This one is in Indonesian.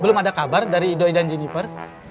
belum ada kabar dari idoi dan jennifer